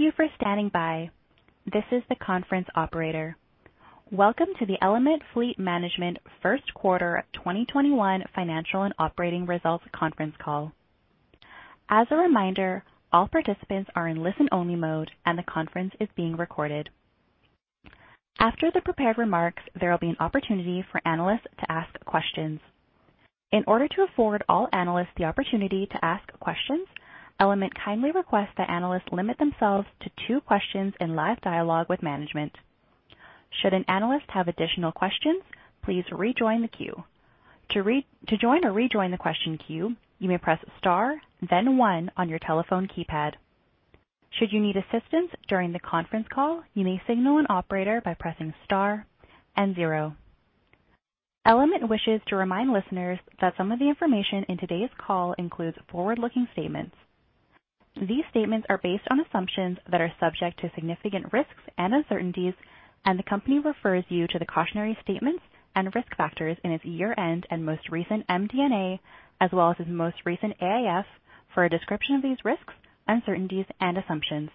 Thank you for standing by. This is the conference operator. Welcome to the Element Fleet Management first quarter 2021 financial and operating results conference call. As a reminder, all participants are in listen-only mode, and the conference is being recorded. After the prepared remarks, there will be an opportunity for analysts to ask questions. In order to afford all analysts the opportunity to ask questions, Element kindly requests that analysts limit themselves to two questions in live dialogue with management. Should an analyst have additional questions, please rejoin the queue. To join or rejoin the question queue, you may press star then one on your telephone keypad. Should you need assistance during the conference call, you may signal an operator by pressing star and zero. Element wishes to remind listeners that some of the information in today's call includes forward-looking statements. These statements are based on assumptions that are subject to significant risks and uncertainties, and the company refers you to the cautionary statements and risk factors in its year-end and most recent MD&A, as well as its most recent AIF for a description of these risks, uncertainties, and assumptions.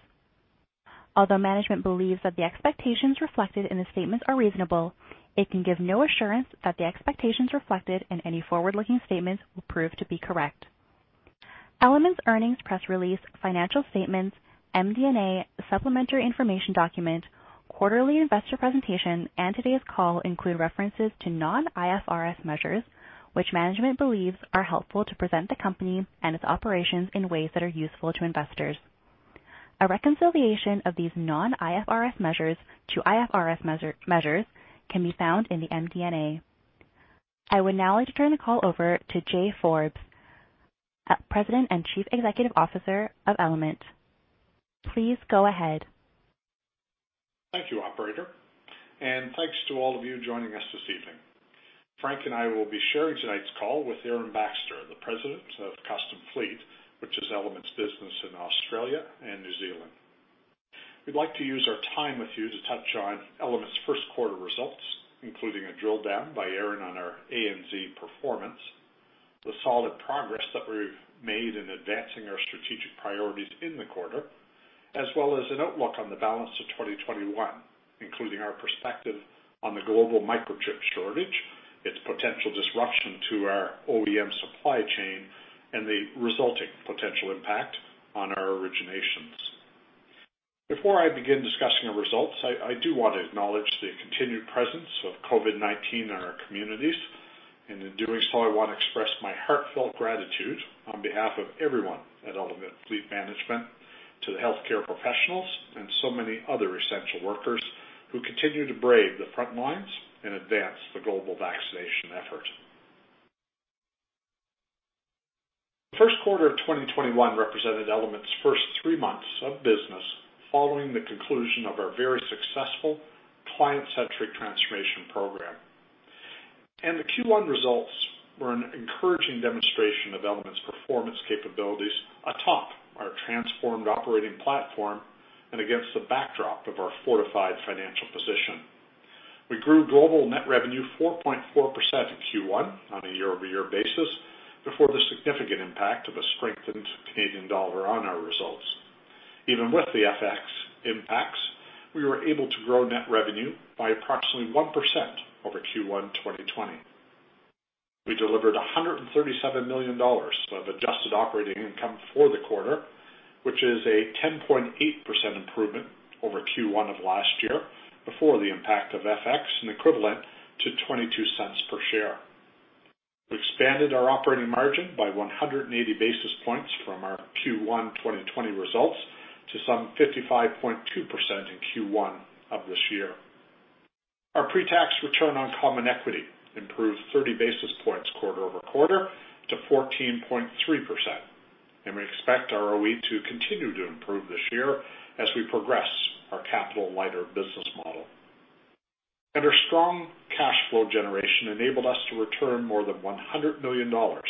Although management believes that the expectations reflected in the statements are reasonable, it can give no assurance that the expectations reflected in any forward-looking statements will prove to be correct. Element's earnings press release, financial statements, MD&A supplementary information document, quarterly investor presentation, and today's call include references to non-IFRS measures, which management believes are helpful to present the company and its operations in ways that are useful to investors. A reconciliation of these non-IFRS measures to IFRS measures can be found in the MD&A. I would now like to turn the call over to Jay Forbes, President and Chief Executive Officer of Element. Please go ahead. Thank you, operator. Thanks to all of you joining us this evening. Frank and I will be sharing tonight's call with Aaron Baxter, the President of Custom Fleet, which is Element's business in Australia and New Zealand. We'd like to use our time with you to touch on Element's first quarter results, including a drill down by Aaron on our ANZ performance, the solid progress that we've made in advancing our strategic priorities in the quarter, as well as an outlook on the balance of 2021, including our perspective on the global microchip shortage, its potential disruption to our OEM supply chain, and the resulting potential impact on our originations. Before I begin discussing our results, I do want to acknowledge the continued presence of COVID-19 in our communities, and in doing so, I want to express my heartfelt gratitude on behalf of everyone at Element Fleet Management to the healthcare professionals and so many other essential workers who continue to brave the front lines and advance the global vaccination effort. First quarter of 2021 represented Element's first three months of business following the conclusion of our very successful client-centric transformation program. The Q1 results were an encouraging demonstration of Element's performance capabilities atop our transformed operating platform and against the backdrop of our fortified financial position. We grew global net revenue 4.4% in Q1 on a year-over-year basis before the significant impact of a strengthened Canadian dollar on our results. Even with the FX impacts, we were able to grow net revenue by approximately 1% over Q1 2020. We delivered 137 million dollars of adjusted operating income for the quarter, which is a 10.8% improvement over Q1 of last year before the impact of FX, and equivalent to 0.22 per share. We expanded our operating margin by 180 basis points from our Q1 2020 results to some 55.2% in Q1 of this year. Our pre-tax return on common equity improved 30 basis points quarter-over-quarter to 14.3%, and we expect our ROE to continue to improve this year as we progress our capital lighter business model. Our strong cash flow generation enabled us to return more than 100 million dollars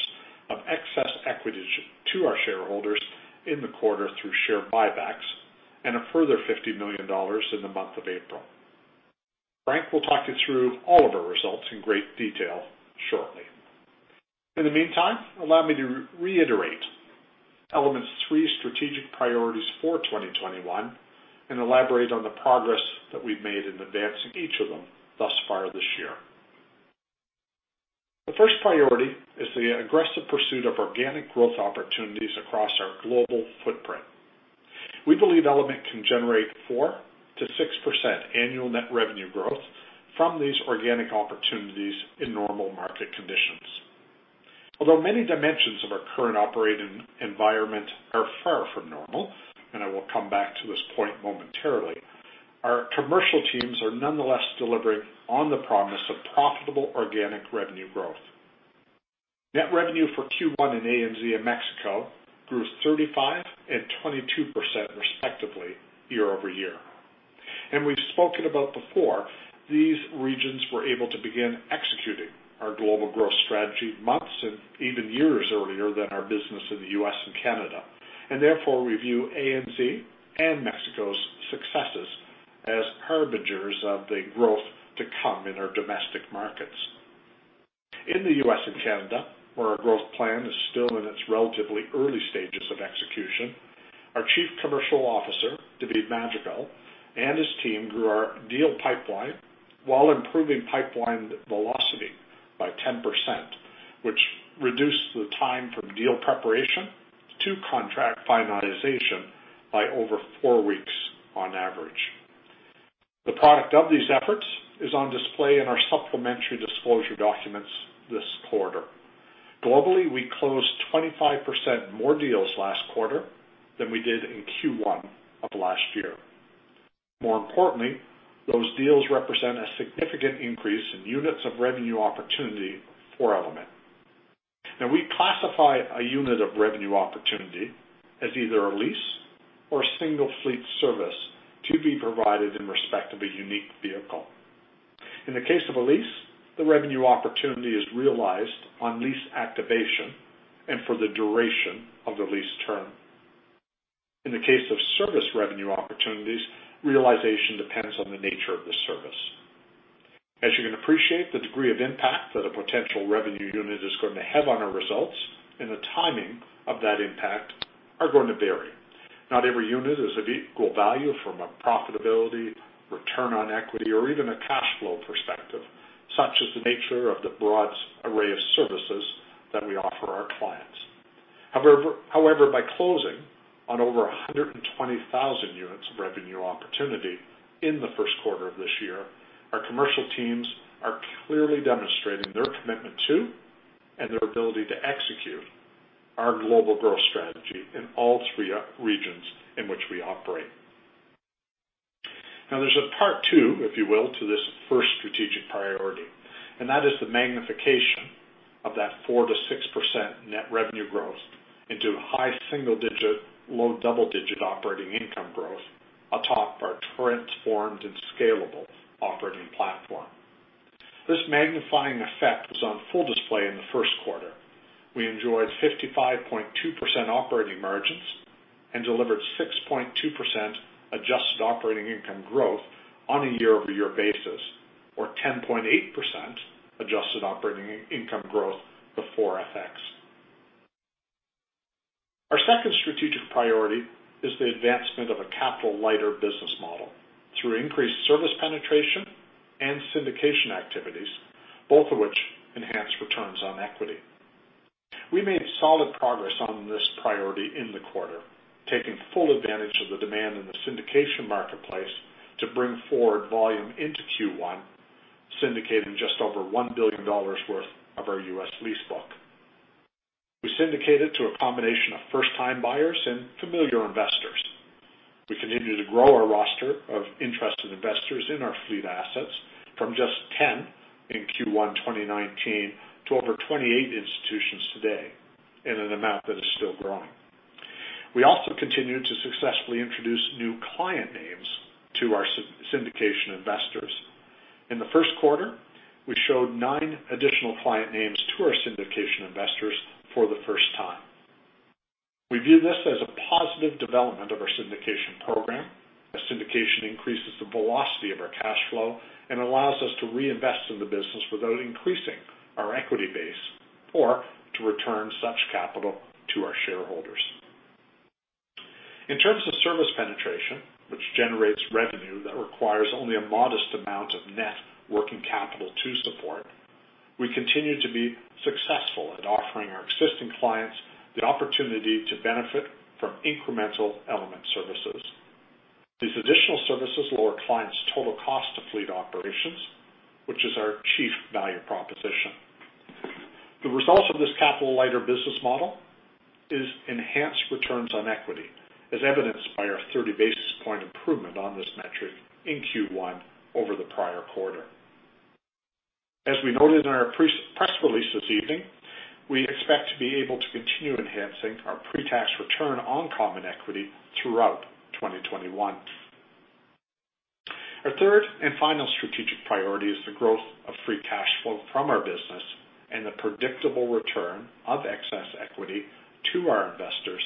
of excess equities to our shareholders in the quarter through share buybacks, and a further 50 million dollars in the month of April. Frank will talk you through all of our results in great detail shortly. In the meantime, allow me to reiterate Element's three strategic priorities for 2021 and elaborate on the progress that we've made in advancing each of them thus far this year. The first priority is the aggressive pursuit of organic growth opportunities across our global footprint. We believe Element can generate 4%-6% annual net revenue growth from these organic opportunities in normal market conditions. Although many dimensions of our current operating environment are far from normal, and I will come back to this point momentarily, our commercial teams are nonetheless delivering on the promise of profitable organic revenue growth. Net revenue for Q1 in ANZ and Mexico grew 35% and 22% respectively year-over-year. We've spoken about before, these regions were able to begin executing our global growth strategy months and even years earlier than our business in the U.S. and Canada, and therefore we view ANZ and Mexico's success as harbingers of the growth to come in our domestic markets. In the U.S. and Canada, where our growth plan is still in its relatively early stages of execution, our Chief Commercial Officer, David Madrigal, and his team grew our deal pipeline while improving pipeline velocity by 10%, which reduced the time from deal preparation to contract finalization by over four weeks on average. The product of these efforts is on display in our supplementary disclosure documents this quarter. Globally, we closed 25% more deals last quarter than we did in Q1 of last year. More importantly, those deals represent a significant increase in units of revenue opportunity for Element. Now, we classify a unit of revenue opportunity as either a lease or a single fleet service to be provided in respect of a unique vehicle. In the case of a lease, the revenue opportunity is realized on lease activation and for the duration of the lease term. In the case of service revenue opportunities, realization depends on the nature of the service. As you can appreciate, the degree of impact that a potential revenue unit is going to have on our results and the timing of that impact are going to vary. Not every unit is of equal value from a profitability, return on equity, or even a cash flow perspective, such is the nature of the broad array of services that we offer our clients. However, by closing on over 120,000 units of revenue opportunity in the first quarter of this year, our commercial teams are clearly demonstrating their commitment to and their ability to execute our global growth strategy in all three regions in which we operate. There's a part two, if you will, to this first strategic priority, and that is the magnification of that 4%-6% net revenue growth into high single-digit, low double-digit operating income growth atop our transformed and scalable operating platform. This magnifying effect was on full display in the first quarter. We enjoyed 55.2% operating margins and delivered 6.2% adjusted operating income growth on a year-over-year basis or 10.8% adjusted operating income growth before FX. Our second strategic priority is the advancement of a capital-lighter business model through increased service penetration and syndication activities, both of which enhance returns on equity. We made solid progress on this priority in the quarter, taking full advantage of the demand in the syndication marketplace to bring forward volume into Q1, syndicating just over $1 billion worth of our U.S. lease book. We syndicated to a combination of first-time buyers and familiar investors. We continue to grow our roster of interested investors in our fleet assets from just 10 in Q1 2019 to over 28 institutions today and in a amount that is still growing. We also continue to successfully introduce new client names to our syndication investors. In the first quarter, we showed nine additional client names to our syndication investors for the first time. We view this as a positive development of our syndication program, as syndication increases the velocity of our cash flow and allows us to reinvest in the business without increasing our equity base or to return such capital to our shareholders. In terms of service penetration, which generates revenue that requires only a modest amount of net working capital to support, we continue to be successful at offering our existing clients the opportunity to benefit from incremental Element services. These additional services lower clients' total cost of fleet operations, which is our chief value proposition. The result of this capital-lighter business model is enhanced returns on equity, as evidenced by our 30-basis point improvement on this metric in Q1 over the prior quarter. As we noted in our press release this evening, we expect to be able to continue enhancing our pre-tax return on common equity throughout 2021. Our third and final strategic priority is the growth of free cash flow from our business and the predictable return of excess equity to our investors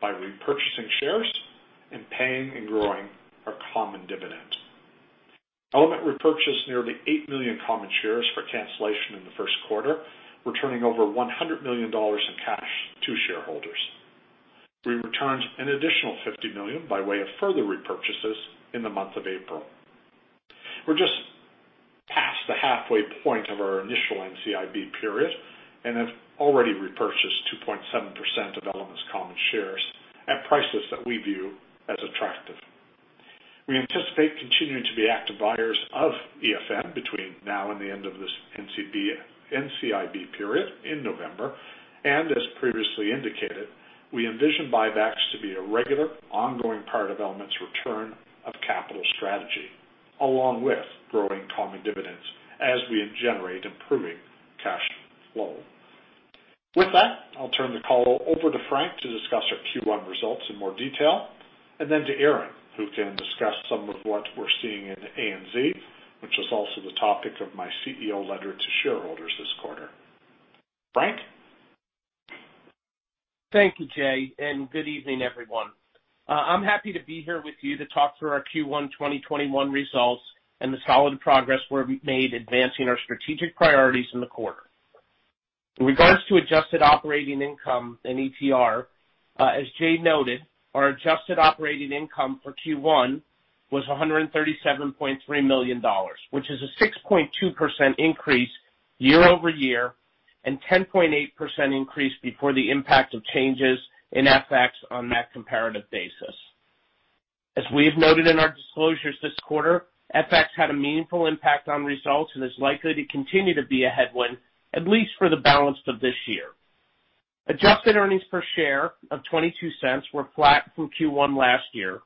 by repurchasing shares and paying and growing our common dividend. Element repurchased nearly 8 million common shares for cancellation in the first quarter, returning over 100 million dollars in cash to shareholders. We returned an additional 50 million by way of further repurchases in the month of April. We're just past the halfway point of our initial NCIB period and have already repurchased 2.7% of Element's common shares at prices that we view as attractive. We anticipate continuing to be active buyers of EFM between now and the end of this NCIB period in November. As previously indicated, we envision buybacks to be a regular, ongoing part of Element's return of capital strategy, along with growing common dividends as we generate improving cash flow. With that, I'll turn the call over to Frank to discuss our Q1 results in more detail, then to Aaron, who can discuss some of what we're seeing in ANZ, which is also the topic of my CEO letter to shareholders this quarter. Frank? Thank you, Jay, and good evening, everyone. I'm happy to be here with you to talk through our Q1 2021 results and the solid progress we've made advancing our strategic priorities in the quarter. In regards to adjusted operating income and ETR, as Jay noted, our adjusted operating income for Q1 was 137.3 million dollars, which is a 6.2% increase year-over-year and 10.8% increase before the impact of changes in FX on that comparative basis. As we have noted in our disclosures this quarter, FX had a meaningful impact on results and is likely to continue to be a headwind, at least for the balance of this year. Adjusted earnings per share of 0.22 were flat from Q1 last year,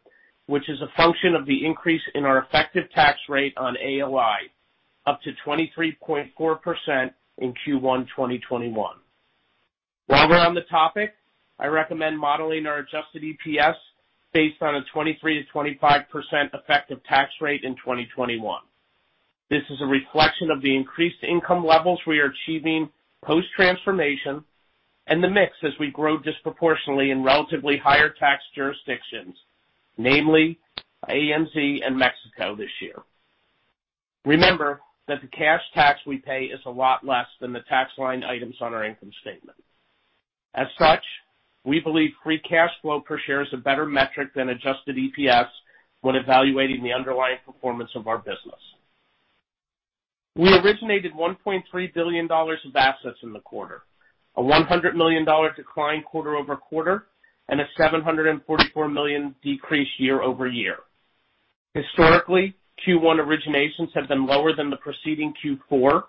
which is a function of the increase in our effective tax rate on AOI up to 23.4% in Q1 2021. While we're on the topic, I recommend modeling our adjusted EPS based on a 23%-25% effective tax rate in 2021. This is a reflection of the increased income levels we are achieving post-transformation and the mix as we grow disproportionately in relatively higher tax jurisdictions, namely ANZ and Mexico this year. Remember that the cash tax we pay is a lot less than the tax line items on our income statement. As such, we believe free cash flow per share is a better metric than adjusted EPS when evaluating the underlying performance of our business. We originated 1.3 billion dollars of assets in the quarter, a 100 million dollar decline quarter-over-quarter, and a 744 million decrease year-over-year. Historically, Q1 originations have been lower than the preceding Q4.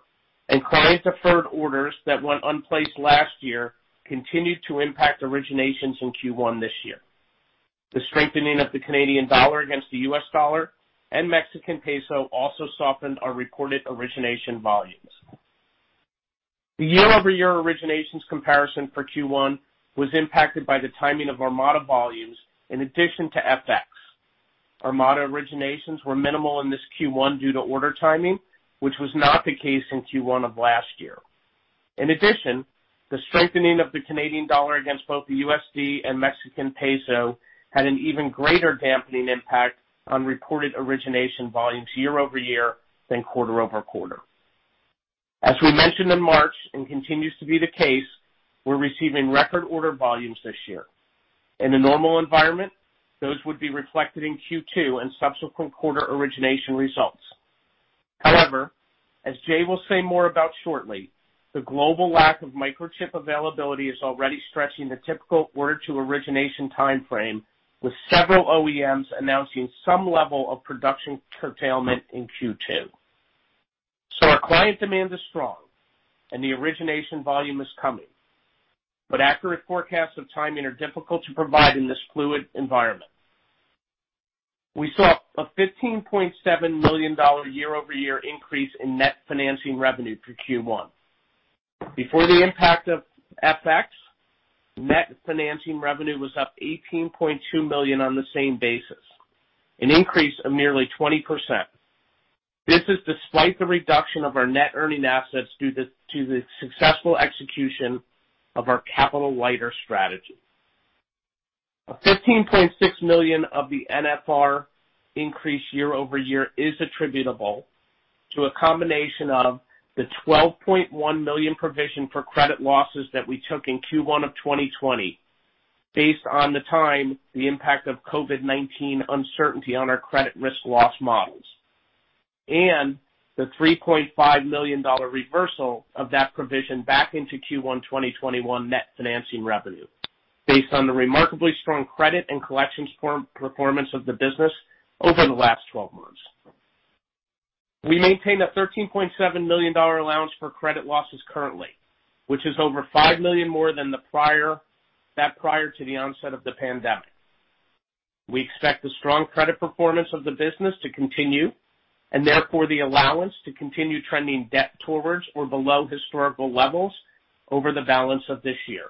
Clients' deferred orders that went unplaced last year continued to impact originations in Q1 this year. The strengthening of the Canadian dollar against the U.S. dollar and Mexican peso also softened our reported origination volumes. The year-over-year originations comparison for Q1 was impacted by the timing of Armada volumes in addition to FX. Armada originations were minimal in this Q1 due to order timing, which was not the case in Q1 of last year. In addition, the strengthening of the Canadian dollar against both the USD and Mexican peso had an even greater dampening impact on reported origination volumes year-over-year than quarter-over-quarter. As we mentioned in March, and continues to be the case, we're receiving record order volumes this year. In a normal environment, those would be reflected in Q2 and subsequent quarter origination results. However, as Jay will say more about shortly, the global lack of microchip availability is already stretching the typical order-to-origination timeframe, with several OEMs announcing some level of production curtailment in Q2. Our client demand is strong and the origination volume is coming. Accurate forecasts of timing are difficult to provide in this fluid environment. We saw a 15.7 million dollar year-over-year increase in net financing revenue for Q1. Before the impact of FX, net financing revenue was up 18.2 million on the same basis, an increase of nearly 20%. This is despite the reduction of our net earning assets due to the successful execution of our capital-lighter strategy. 15.6 million of the NFR increase year-over-year is attributable to a combination of the 12.1 million provision for credit losses that we took in Q1 of 2020 based on the time the impact of COVID-19 uncertainty on our credit risk loss models, and the 3.5 million dollar reversal of that provision back into Q1 2021 net financing revenue based on the remarkably strong credit and collections performance of the business over the last 12 months. We maintain a 13.7 million dollar allowance for credit losses currently, which is over 5 million more than prior to the onset of the pandemic. We expect the strong credit performance of the business to continue, and therefore the allowance to continue trending debt towards or below historical levels over the balance of this year.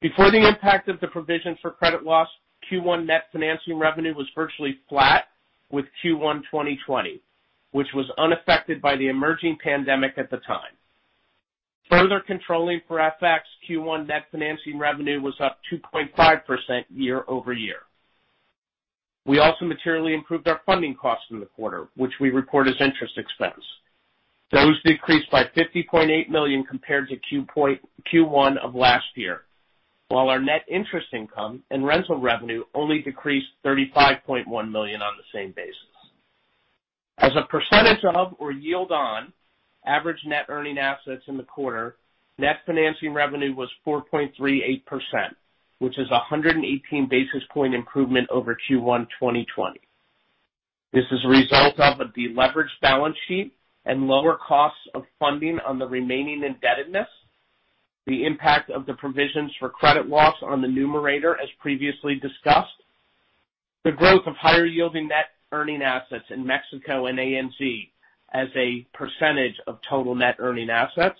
Before the impact of the provision for credit loss, Q1 net financing revenue was virtually flat with Q1 2020, which was unaffected by the emerging pandemic at the time. Further controlling for FX, Q1 net financing revenue was up 2.5% year-over-year. We also materially improved our funding costs in the quarter, which we report as interest expense. Those decreased by 50.8 million compared to Q1 of last year, while our net interest income and rental revenue only decreased 35.1 million on the same basis. As a percentage of, or yield on average net earning assets in the quarter, net financing revenue was 4.38%, which is 118-basis point improvement over Q1 2020. This is a result of a deleveraged balance sheet and lower costs of funding on the remaining indebtedness, the impact of the provisions for credit loss on the numerator as previously discussed, the growth of higher-yielding net earning assets in Mexico and ANZ as a percentage of total net earning assets,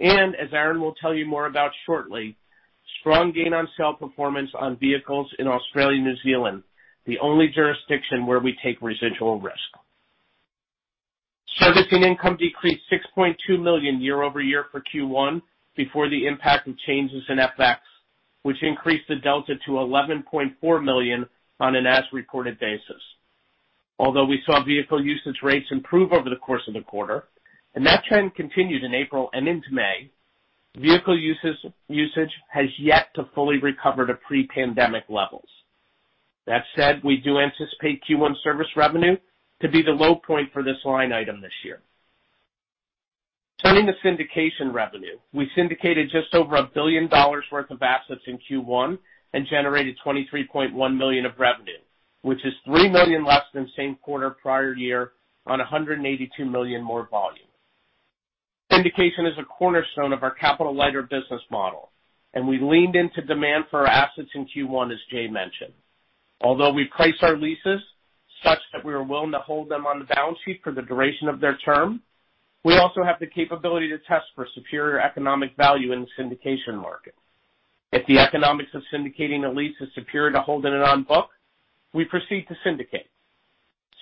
and as Aaron will tell you more about shortly, strong gain on sale performance on vehicles in Australia and New Zealand, the only jurisdiction where we take residual risk. Servicing income decreased 6.2 million year-over-year for Q1 before the impact of changes in FX, which increased the delta to 11.4 million on an as-reported basis. Although we saw vehicle usage rates improve over the course of the quarter, and that trend continued in April and into May, vehicle usage has yet to fully recover to pre-pandemic levels. That said, we do anticipate Q1 service revenue to be the low point for this line item this year. Turning to syndication revenue. We syndicated just over 1 billion dollars worth of assets in Q1 and generated 23.1 million of revenue, which is 3 million less than same quarter prior year on 182 million more volume. Syndication is a cornerstone of our capital-lighter business model, and we leaned into demand for our assets in Q1, as Jay mentioned. Although we price our leases such that we are willing to hold them on the balance sheet for the duration of their term, we also have the capability to test for superior economic value in the syndication market. If the economics of syndicating a lease is superior to holding it on book, we proceed to syndicate.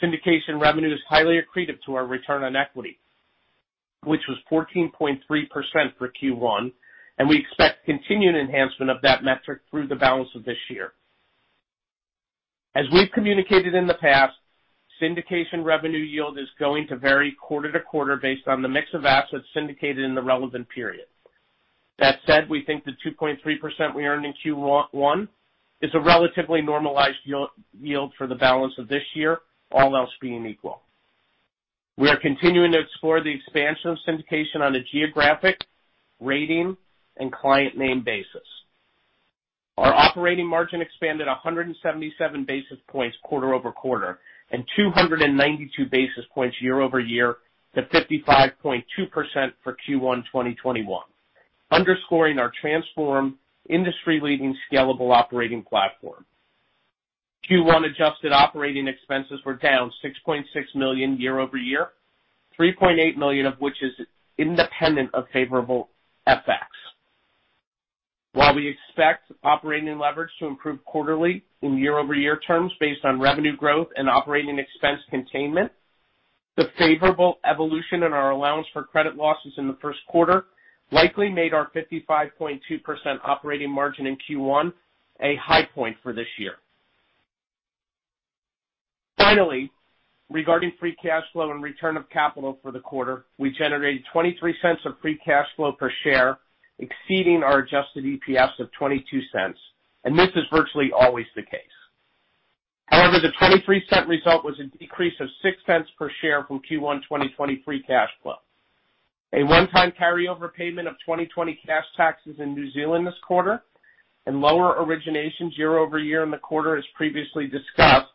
Syndication revenue is highly accretive to our return on equity, which was 14.3% for Q1, and we expect continued enhancement of that metric through the balance of this year. As we've communicated in the past, syndication revenue yield is going to vary quarter-to-quarter based on the mix of assets syndicated in the relevant period. That said, we think the 2.3% we earned in Q1 is a relatively normalized yield for the balance of this year, all else being equal. We are continuing to explore the expansion of syndication on a geographic, rating, and client name basis. Our operating margin expanded 177 basis points quarter-over-quarter and 292 basis points year-over-year to 55.2% for Q1 2021, underscoring our transformed industry-leading scalable operating platform. Q1 adjusted operating expenses were down 6.6 million year-over-year, 3.8 million of which is independent of favorable FX. While we expect operating leverage to improve quarterly in year-over-year terms based on revenue growth and operating expense containment, the favorable evolution in our allowance for credit losses in the first quarter likely made our 55.2% operating margin in Q1 a high point for this year. Finally, regarding free cash flow and return of capital for the quarter, we generated 0.23 of free cash flow per share, exceeding our adjusted EPS of 0.22, and this is virtually always the case. However, the 0.23 result was a decrease of 0.06 per share from Q1 2020 free cash flow. A one-time carryover payment of 2020 cash taxes in New Zealand this quarter and lower originations year-over-year in the quarter as previously discussed,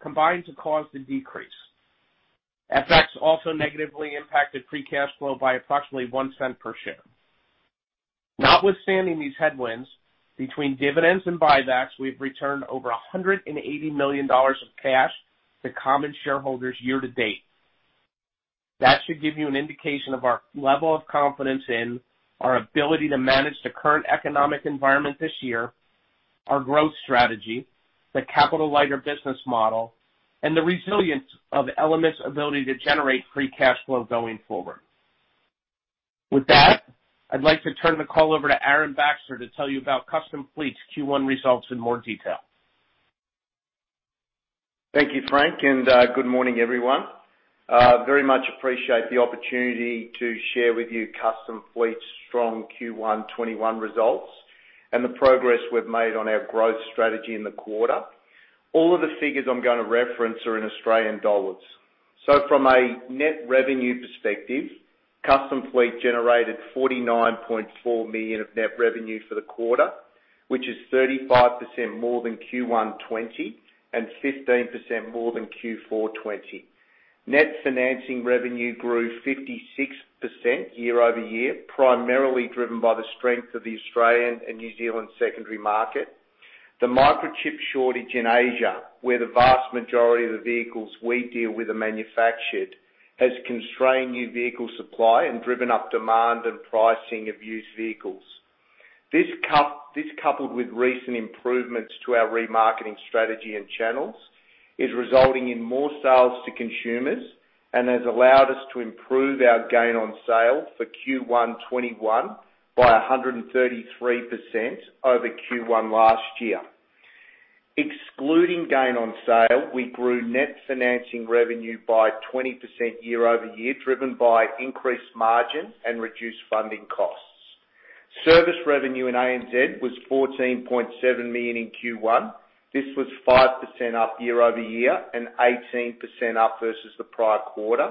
combined to cause the decrease. FX also negatively impacted free cash flow by approximately 0.01 per share. Notwithstanding these headwinds, between dividends and buybacks, we've returned over 180 million dollars of cash to common shareholders year to date. That should give you an indication of our level of confidence in our ability to manage the current economic environment this year, our growth strategy, the capital-lighter business model, and the resilience of Element's ability to generate free cash flow going forward. With that, I'd like to turn the call over to Aaron Baxter to tell you about Custom Fleet's Q1 results in more detail. Thank you, Frank, and good morning, everyone. Very much appreciate the opportunity to share with you Custom Fleet's strong Q1 2021 results and the progress we've made on our growth strategy in the quarter. All of the figures I'm going to reference are in Australian dollars. From a net revenue perspective, Custom Fleet generated 49.4 million of net revenue for the quarter, which is 35% more than Q1 2020 and 15% more than Q4 2020. Net financing revenue grew 56% year-over-year, primarily driven by the strength of the Australian and New Zealand secondary market. The microchip shortage in Asia, where the vast majority of the vehicles we deal with are manufactured, has constrained new vehicle supply and driven up demand and pricing of used vehicles. This, coupled with recent improvements to our remarketing strategy and channels, is resulting in more sales to consumers and has allowed us to improve our gain on sale for Q1 2021 by 133% over Q1 last year. Excluding gain on sale, we grew net financing revenue by 20% year-over-year, driven by increased margins and reduced funding costs. Service revenue in ANZ was 14.7 million in Q1. This was 5% up year-over-year and 18% up versus the prior quarter.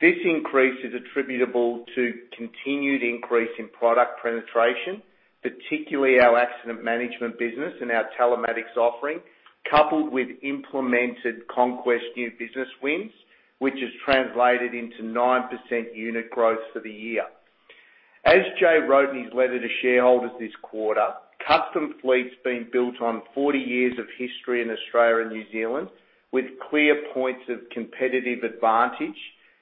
This increase is attributable to continued increase in product penetration, particularly our accident management business and our telematics offering, coupled with implemented conquest new business wins, which has translated into 9% unit growth for the year. As Jay wrote in his letter to shareholders this quarter, Custom Fleet's been built on 40 years of history in Australia and New Zealand with clear points of competitive advantage,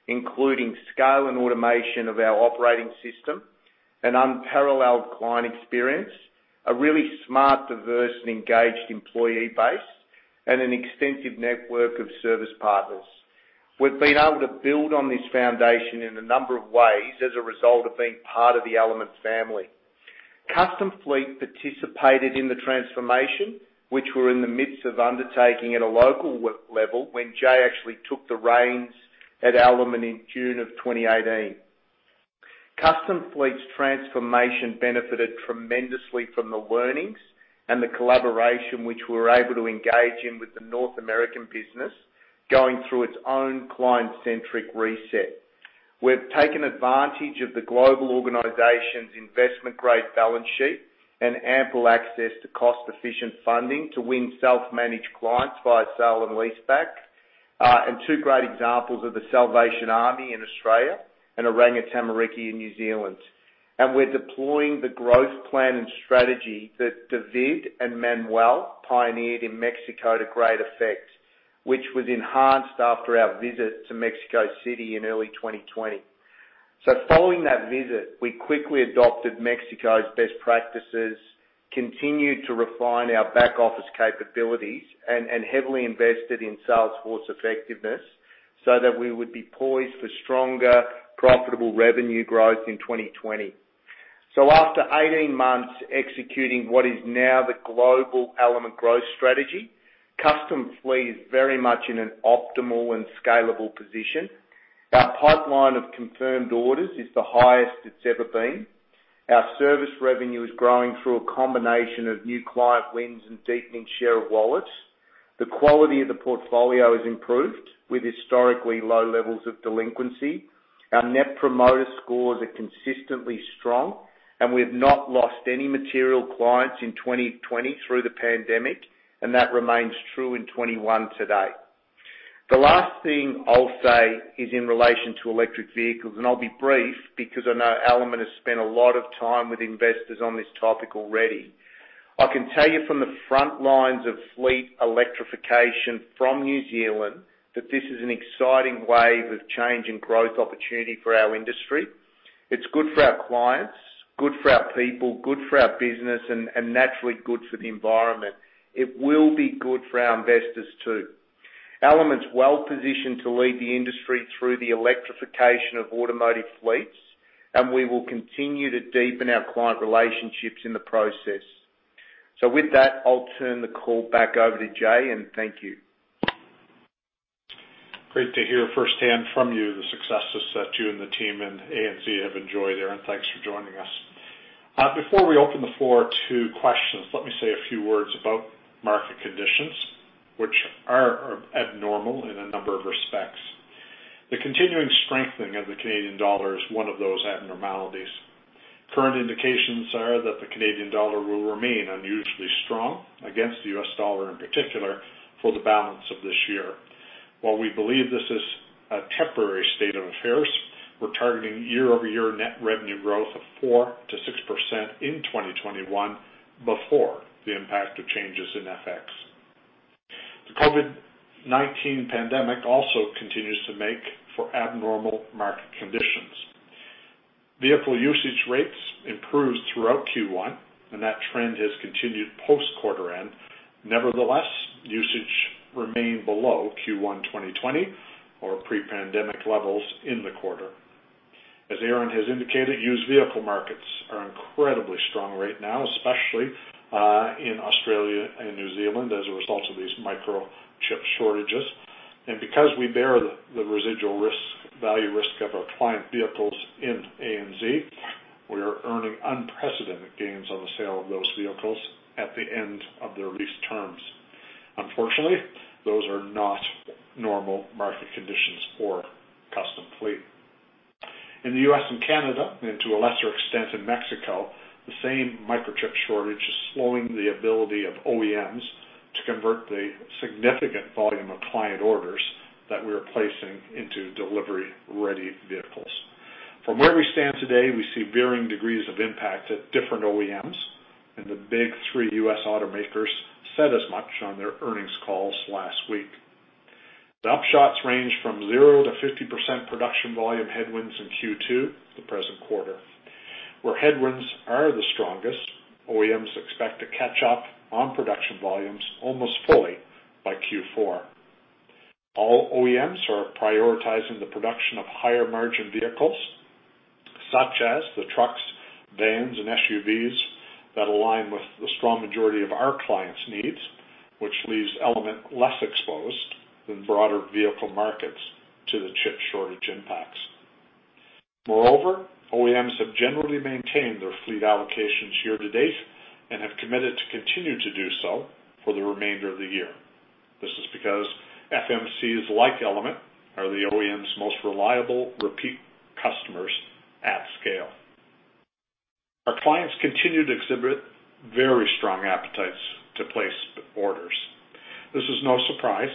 including scale and automation of our operating system, an unparalleled client experience, a really smart, diverse, and engaged employee base, and an extensive network of service partners. We've been able to build on this foundation in a number of ways as a result of being part of the Element family. Custom Fleet participated in the transformation, which we're in the midst of undertaking at a local level when Jay actually took the reins at Element in June of 2018. Custom Fleet's transformation benefited tremendously from the learnings and the collaboration which we were able to engage in with the North American business, going through its own client-centric reset. We've taken advantage of the global organization's investment-grade balance sheet and ample access to cost-efficient funding to win self-managed clients via sale and leaseback. Two great examples are The Salvation Army in Australia and Oranga Tamariki in New Zealand. We're deploying the growth plan and strategy that David and Manuel pioneered in Mexico to great effect, which was enhanced after our visit to Mexico City in early 2020. Following that visit, we quickly adopted Mexico's best practices, continued to refine our back-office capabilities, and heavily invested in sales force effectiveness so that we would be poised for stronger, profitable revenue growth in 2020. After 18 months executing what is now the global Element growth strategy, Custom Fleet is very much in an optimal and scalable position. Our pipeline of confirmed orders is the highest it's ever been. Our service revenue is growing through a combination of new client wins and deepening share of wallets. The quality of the portfolio has improved, with historically low levels of delinquency. Our Net Promoter Scores are consistently strong. We've not lost any material clients in 2020 through the pandemic. That remains true in 2021 today. The last thing I'll say is in relation to electric vehicles. I'll be brief because I know Element has spent a lot of time with investors on this topic already. I can tell you from the front lines of fleet electrification from New Zealand that this is an exciting wave of change and growth opportunity for our industry. It's good for our clients, good for our people, good for our business, and naturally, good for the environment. It will be good for our investors, too. Element's well-positioned to lead the industry through the electrification of automotive fleets, and we will continue to deepen our client relationships in the process. With that, I'll turn the call back over to Jay, and thank you. Great to hear firsthand from you the successes that you and the team in ANZ have enjoyed there, and thanks for joining us. Before we open the floor to questions, let me say a few words about market conditions, which are abnormal in a number of respects. The continuing strengthening of the Canadian dollar is one of those abnormalities. Current indications are that the Canadian dollar will remain unusually strong against the U.S. dollar, in particular, for the balance of this year. While we believe this is a temporary state of affairs, we're targeting year-over-year net revenue growth of 4%-6% in 2021 before the impact of changes in FX. The COVID-19 pandemic also continues to make for abnormal market conditions. Vehicle usage rates improved throughout Q1, and that trend has continued post-quarter end. Nevertheless, usage remained below Q1 2020 or pre-pandemic levels in the quarter. As Aaron has indicated, used vehicle markets are incredibly strong right now, especially in Australia and New Zealand, as a result of these microchip shortages. Because we bear the residual value risk of our client vehicles in ANZ, we are earning unprecedented gains on the sale of those vehicles at the end of their lease terms. Unfortunately, those are not normal market conditions for Custom Fleet. In the U.S. and Canada, and to a lesser extent in Mexico, the same microchip shortage is slowing the ability of OEMs to convert the significant volume of client orders that we're placing into delivery-ready vehicles. From where we stand today, we see varying degrees of impact at different OEMs, the big three U.S. automakers said as much on their earnings calls last week. The upshots range from 0%-50% production volume headwinds in Q2, the present quarter. Where headwinds are the strongest, OEMs expect to catch up on production volumes almost fully by Q4. All OEMs are prioritizing the production of higher-margin vehicles, such as the trucks, vans, and SUVs that align with the strong majority of our clients' needs, which leaves Element less exposed than broader vehicle markets to the chip shortage impacts. Moreover, OEMs have generally maintained their fleet allocations year to date and have committed to continue to do so for the remainder of the year. This is because FMCs like Element are the OEMs' most reliable repeat customers at scale. Our clients continue to exhibit very strong appetites to place orders. This is no surprise.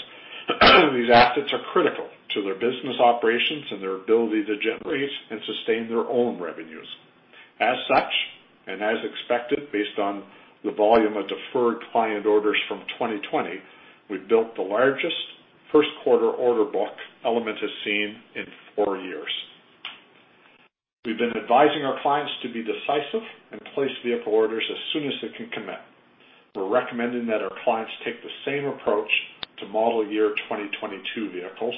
These assets are critical to their business operations and their ability to generate and sustain their own revenues. As such, and as expected, based on the volume of deferred client orders from 2020, we've built the largest first quarter order book Element has seen in four years. We've been advising our clients to be decisive and place vehicle orders as soon as they can commit. We're recommending that our clients take the same approach to model year 2022 vehicles,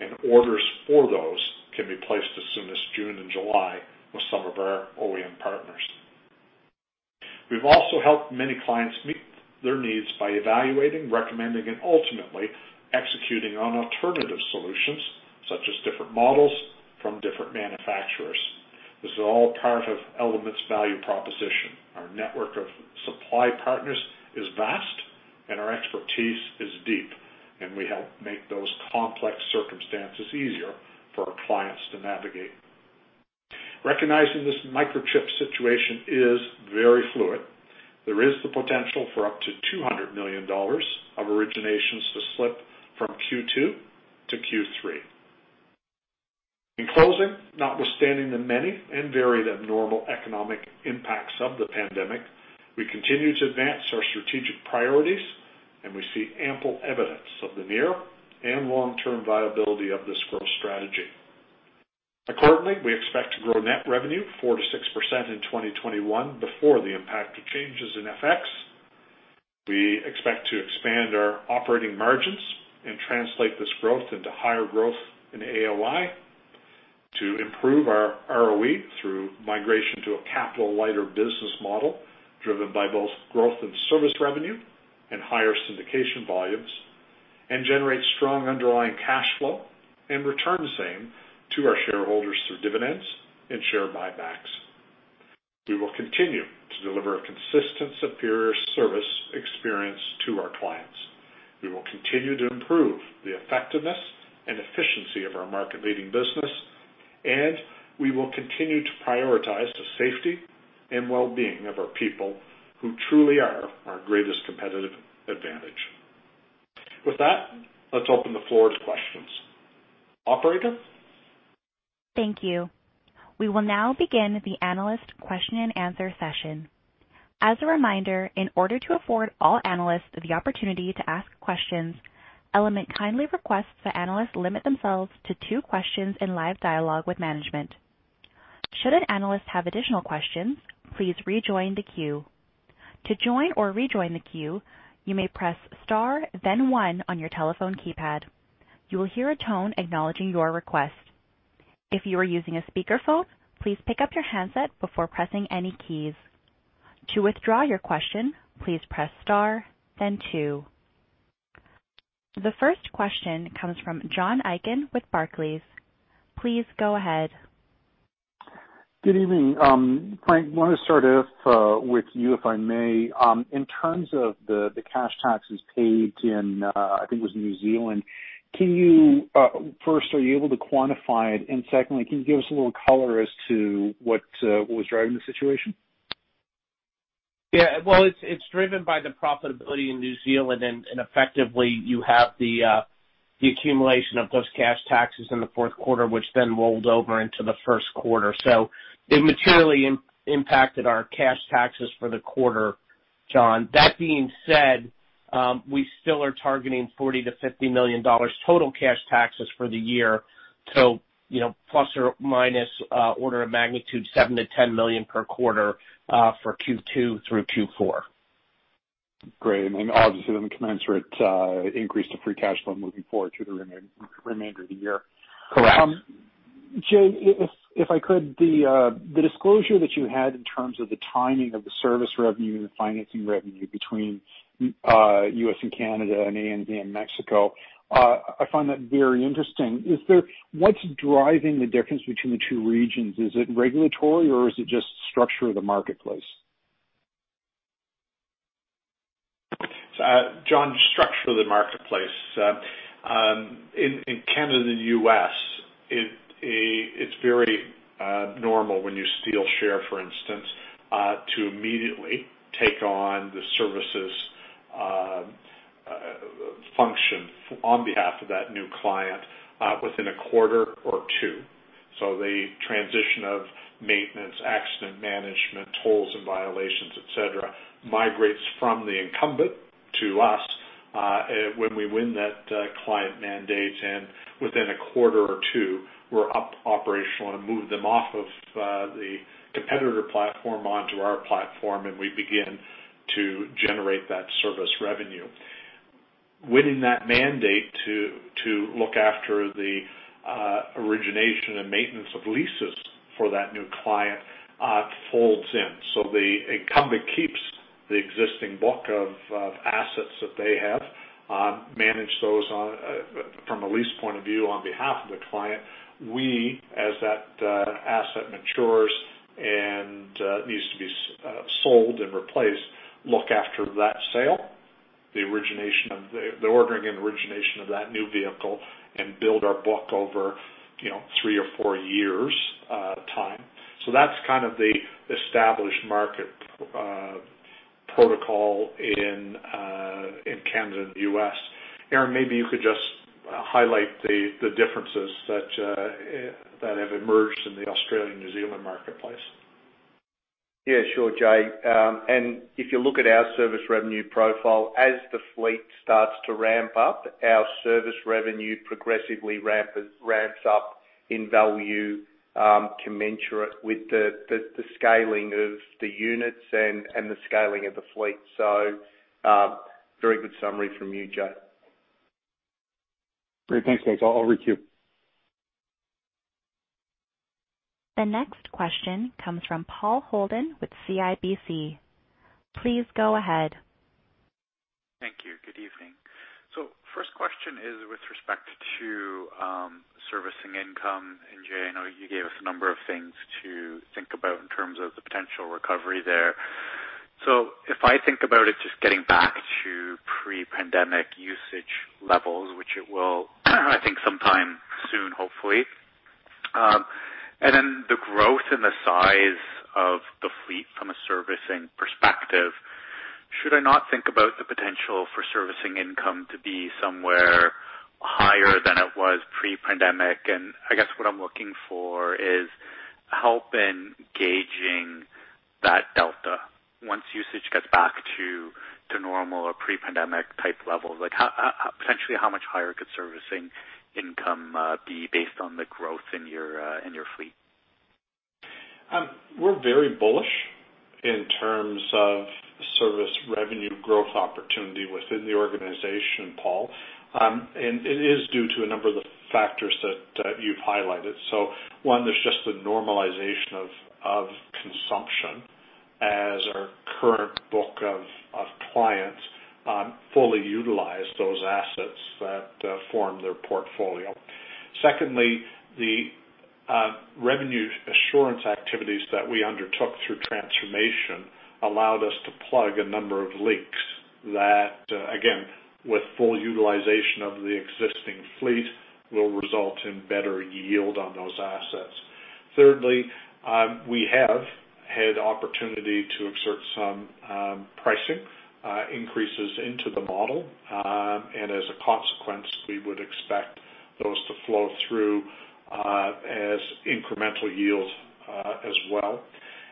and orders for those can be placed as soon as June and July with some of our OEM partners. We've also helped many clients meet their needs by evaluating, recommending, and ultimately executing on alternative solutions, such as different models from different manufacturers. This is all part of Element's value proposition. Our network of supply partners is vast and our expertise is deep, and we help make those complex circumstances easier for our clients to navigate. Recognizing this microchip situation is very fluid, there is the potential for up to 200 million dollars of originations to slip from Q2 to Q3. In closing, notwithstanding the many and varied abnormal economic impacts of the pandemic, we continue to advance our strategic priorities, and we see ample evidence of the near and long-term viability of this growth strategy. Accordingly, we expect to grow net revenue 4%-6% in 2021 before the impact of changes in FX. We expect to expand our operating margins and translate this growth into higher growth in AOI to improve our ROE through migration to a capital lighter business model driven by both growth and service revenue and higher syndication volumes, and generate strong underlying cash flow and return the same to our shareholders through dividends and share buybacks. We will continue to deliver a consistent, superior service experience to our clients. We will continue to improve the effectiveness and efficiency of our market-leading business, and we will continue to prioritize the safety and well-being of our people who truly are our greatest competitive advantage. With that, let's open the floor to questions. Operator. Thank you. We will now begin the analyst question-and-answer session. As a reminder, in order to afford all analysts the opportunity to ask questions, Element kindly requests that analysts limit themselves to two questions in live dialogue with management. Should an analyst have additional questions, please rejoin the queue. To join or rejoin the queue, you may press star then one on your telephone keypad. You will hear a tone acknowledging your request. If you are using a speakerphone, please pick up your handset before pressing any keys. To withdraw your question, please press star then two. The first question comes from John Aiken with Barclays. Please go ahead. Good evening. Frank, want to start off with you, if I may. In terms of the cash taxes paid in, I think it was New Zealand, first, are you able to quantify it? Secondly, can you give us a little color as to what was driving the situation? Yeah. Well, it's driven by the profitability in New Zealand. Effectively you have the accumulation of those cash taxes in the fourth quarter, which then rolled over into the first quarter. It materially impacted our cash taxes for the quarter, John. That being said, we still are targeting 40 million-50 million dollars total cash taxes for the year, so plus or minus order of magnitude, 7 million-10 million per quarter for Q2 through Q4. Great. Then obviously, then the commensurate increase to free cash flow moving forward through the remainder of the year. Correct. Jay, if I could, the disclosure that you had in terms of the timing of the service revenue and the financing revenue between U.S. and Canada and Mexico, I find that very interesting. What's driving the difference between the two regions? Is it regulatory or is it just structure of the marketplace? John, structure of the marketplace. In Canada and U.S., it's very normal when you steal share, for instance, to immediately take on the services function on behalf of that new client within a quarter or two. The transition of maintenance, accident management, tolls and violations, et cetera, migrates from the incumbent to us when we win that client mandate. Within a quarter or two, we're up operational and move them off of the competitor platform onto our platform, and we begin to generate that service revenue. Winning that mandate to look after the origination and maintenance of leases for that new client folds in. The incumbent keeps the existing book of assets that they have, manage those from a lease point of view on behalf of the client. We, as that asset matures and needs to be sold and replaced, look after that sale, the ordering and origination of that new vehicle, and build our book over three or four years time. That's kind of the established market, protocol in Canada and the U.S. Aaron, maybe you could just highlight the differences that have emerged in the Australian, New Zealand marketplace. Yeah, sure, Jay. If you look at our service revenue profile, as the fleet starts to ramp up, our service revenue progressively ramps up in value commensurate with the scaling of the units and the scaling of the fleet. Very good summary from you, Jay. Great. Thanks, guys. I'll queue. The next question comes from Paul Holden with CIBC. Please go ahead. Thank you. Good evening. First question is with respect to servicing income. Jay, I know you gave us a number of things to think about in terms of the potential recovery there. If I think about it, just getting back to pre-pandemic usage levels, which it will, I think sometime soon, hopefully. The growth and the size of the fleet from a servicing perspective, should I not think about the potential for servicing income to be somewhere higher than it was pre-pandemic? I guess what I'm looking for is help in gauging that delta once usage gets back to normal or pre-pandemic type levels. Potentially, how much higher could servicing income be based on the growth in your fleet? We're very bullish in terms of service revenue growth opportunity within the organization, Paul. It is due to a number of the factors that you've highlighted. One, there's just the normalization of consumption as our current book of clients fully utilize those assets that form their portfolio. Secondly, the revenue assurance activities that we undertook through transformation allowed us to plug a number of leaks that, again, with full utilization of the existing fleet, will result in better yield on those assets. Thirdly, we have had opportunity to exert some pricing increases into the model. As a consequence, we would expect those to flow through as incremental yield as well.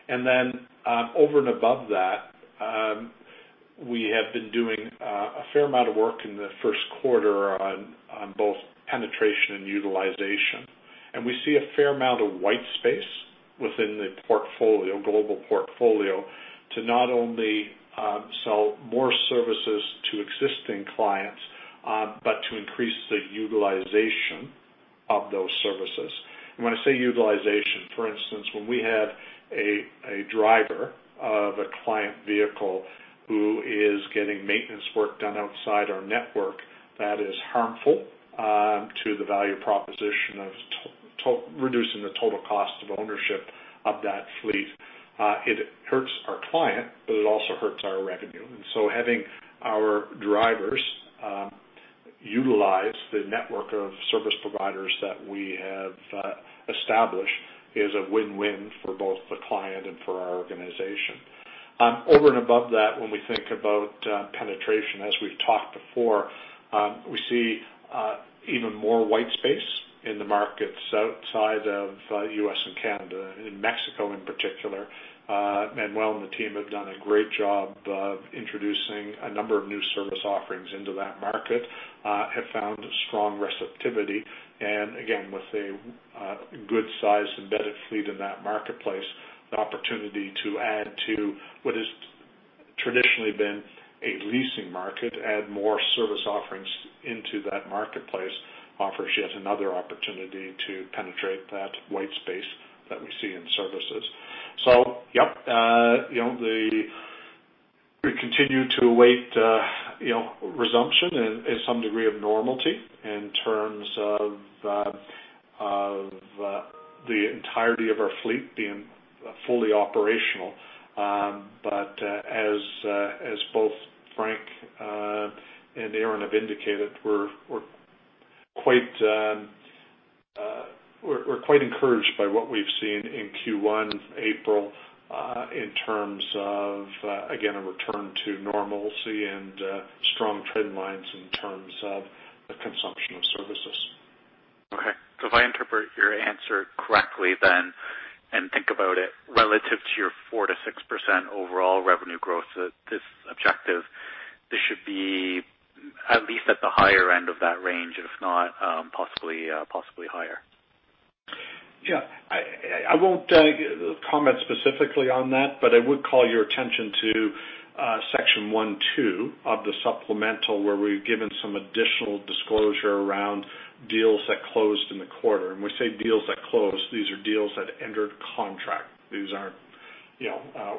Over and above that, we have been doing a fair amount of work in the first quarter on both penetration and utilization. We see a fair amount of white space within the global portfolio to not only sell more services to existing clients, but to increase the utilization of those services. When I say utilization, for instance, when we have a driver of a client vehicle who is getting maintenance work done outside our network, that is harmful to the value proposition of reducing the total cost of ownership of that fleet. It hurts our client, but it also hurts our revenue. Having our drivers utilize the network of service providers that we have established is a win-win for both the client and for our organization. Over and above that, when we think about penetration, as we've talked before, we see even more white space in the markets outside of U.S. and Canada. In Mexico in particular, Manuel and the team have done a great job of introducing a number of new service offerings into that market, have found strong receptivity, and again, with a good size embedded fleet in that marketplace, the opportunity to add to what has traditionally been a leasing market, add more service offerings into that marketplace offers yet another opportunity to penetrate that white space that we see in services. Yep, we continue to await resumption and some degree of normality in terms of the entirety of our fleet being fully operational. As both Frank and Aaron have indicated, we're quite encouraged by what we've seen in Q1, April, in terms of, again, a return to normalcy and strong trend lines in terms of the consumption of services. Okay. If I interpret your answer correctly then, and think about it relative to your 4%-6% overall revenue growth, this objective, this should be at least at the higher end of that range, if not possibly higher. I won't comment specifically on that, but I would call your attention to Section 1, 2 of the supplemental, where we've given some additional disclosure around deals that closed in the quarter. We say deals that closed, these are deals that entered contract. These aren't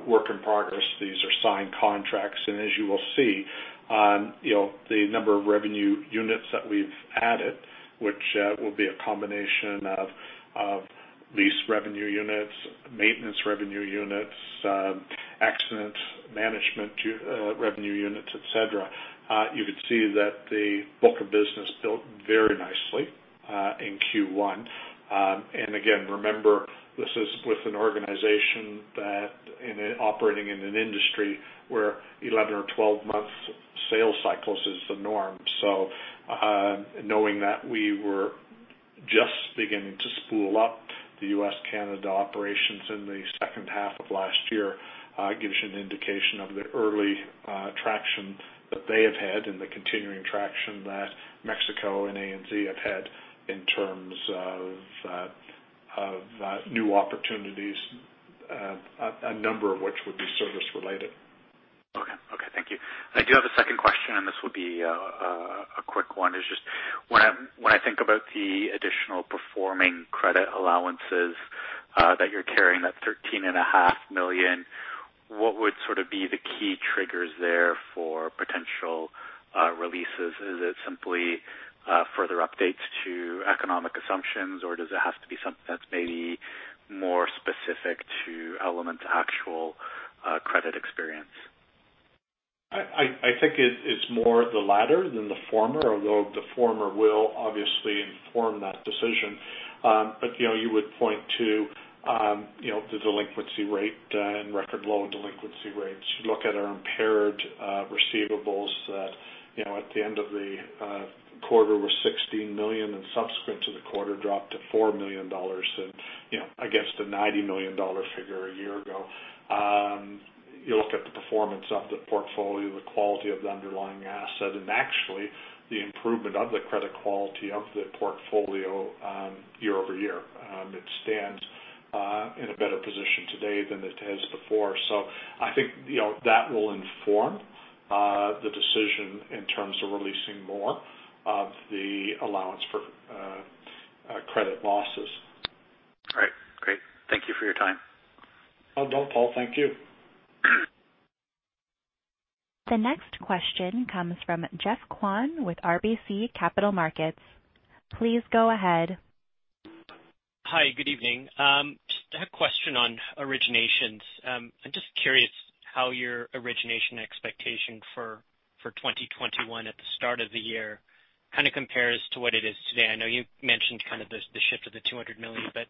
work in progress. These are signed contracts. As you will see, the number of revenue units that we've added, which will be a combination of lease revenue units, maintenance revenue units, accident management revenue units, et cetera, you could see that the book of business built very nicely in Q1. Again, remember, this is with an organization that operating in an industry where 11 or 12 months sales cycles is the norm. Knowing that we were just beginning to spool up the U.S., Canada operations in the second half of last year, gives you an indication of the early traction that they have had and the continuing traction that Mexico and ANZ have had in terms of new opportunities, a number of which would be service related. Okay. Thank you. I do have a second question. This will be a quick one. It's just when I think about the additional performing credit allowances that you're carrying, that 13.5 million, what would sort of be the key triggers there for potential releases? Is it simply further updates to economic assumptions, or does it have to be something that's maybe more specific to Element's actual credit experience? I think it's more of the latter than the former, although the former will obviously inform that decision. You would point to the delinquency rate and record low delinquency rates. You look at our impaired receivables that, at the end of the quarter, were 16 million, and subsequent to the quarter, dropped to 4 million dollars against a 90 million dollar figure a year ago. You look at the performance of the portfolio, the quality of the underlying asset, and actually the improvement of the credit quality of the portfolio year-over-year. It stands in a better position today than it has before. I think that will inform the decision in terms of releasing more of the allowance for credit losses. All right, great. Thank you for your time. Well done, Paul. Thank you. The next question comes from Geoff Kwan with RBC Capital Markets. Please go ahead. Hi, good evening. Just a question on originations. I'm just curious how your origination expectation for 2021 at the start of the year kind of compares to what it is today. I know you mentioned kind of the shift of the 200 million, but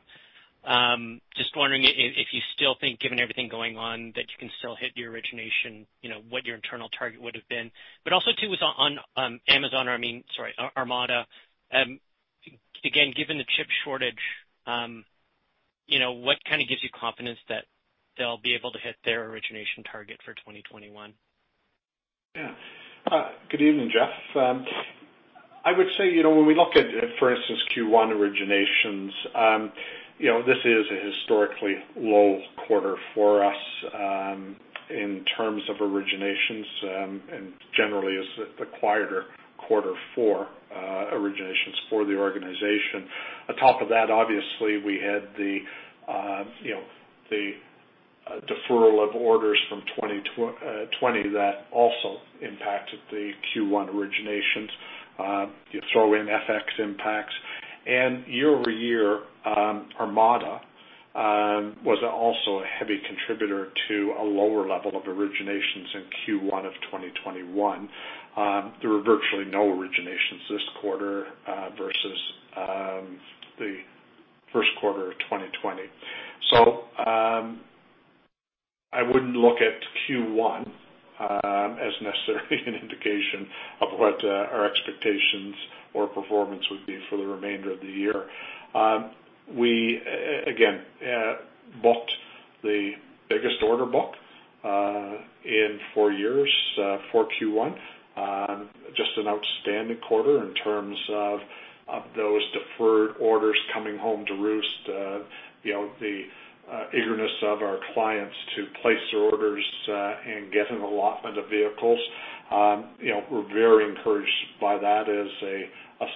just wondering if you still think, given everything going on, that you can still hit the origination, what your internal target would've been. Also too was on Amazon, or, I mean, sorry, Armada. Again, given the chip shortage, what kind of gives you confidence that they'll be able to hit their origination target for 2021? Yeah. Good evening, Geoff. I would say, when we look at, for instance, Q1 originations, this is a historically low quarter for us, in terms of originations, and generally is the quieter quarter for originations for the organization. On top of that, obviously, we had the deferral of orders from 2020 that also impacted the Q1 originations. You throw in FX impacts. Year-over-year, Armada was also a heavy contributor to a lower level of originations in Q1 of 2021. There were virtually no originations this quarter versus the first quarter of 2020. I wouldn't look at Q1 as necessarily an indication of what our expectations or performance would be for the remainder of the year. We, again, booked the biggest order book in four years for Q1. Just an outstanding quarter in terms of those deferred orders coming home to roost, the eagerness of our clients to place their orders and get an allotment of vehicles. We're very encouraged by that as a